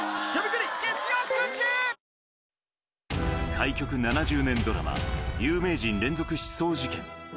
開局７０年ドラマ、有名人連続失踪事件。